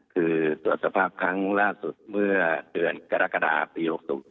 คือตรวจสภาพครั้งล่าสุดเมื่อเดือนกรกฎาปี๖๐